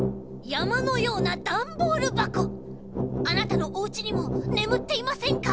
やまのようなダンボールばこあなたのおうちにもねむっていませんか？